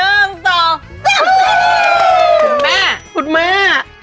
อีกแม่คุณแม่